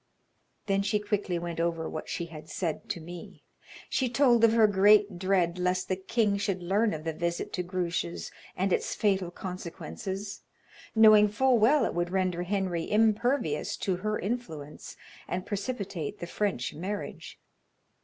Then she quickly went over what she had said to me. She told of her great dread lest the king should learn of the visit to Grouche's and its fatal consequences, knowing full well it would render Henry impervious to her influence and precipitate the French marriage.